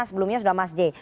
sebelumnya sudah mas j